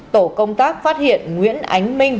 tổ công tác phát hiện nguyễn ánh minh